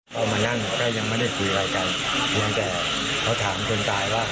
พอมานั่งก็ยังไม่ได้คุยอะไรกันเพียงแต่เขาถามคนตายว่า